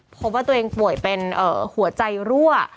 พบว่าตัวเองป่วยเป็นหัวใจรั่ว